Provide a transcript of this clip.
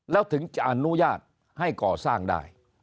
แล้วถึงจะอนุญาตให้ก่อสร้างได้